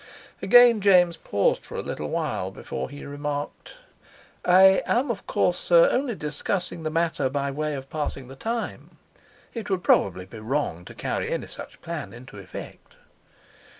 Again James paused for a little while before he remarked: "I am, of course, sir, only discussing the matter by way of passing the time. It would probably be wrong to carry any such plan into effect."